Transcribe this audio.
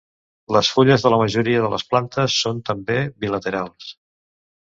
Les fulles de la majoria de les plantes són també bilaterals.